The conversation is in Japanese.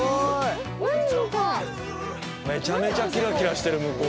めちゃめちゃキラキラしてる向こう。